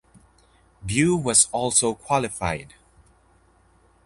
Beau was also qualified.